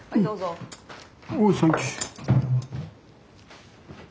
おサンキュー。